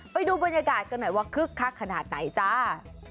ไปดูบรรยากาศกันหน่อยว่าคึกคักขนาดไหนจ้า